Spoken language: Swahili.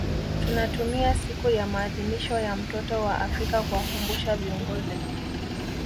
Tunatumia siku ya maadhimisho ya mtoto wa Afrika kuwakumbusha viongozi